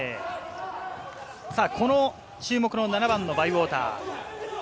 注目、７番のバイウォーター。